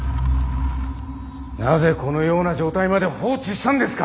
なぜこのような状態まで放置したんですか。